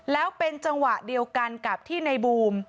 แล้วเป็นจังหวะเดียวกันกับที่ในบูม